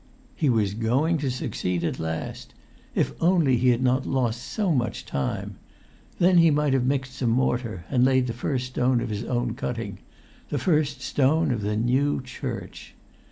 He was going to succeed at last! If only he had not lost so much time! Then he might have mixed some mortar and laid the first stone of his own cutting—the first stone of the new church!